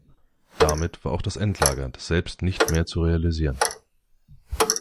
Damit war auch das Endlager selbst nicht mehr zu realisieren.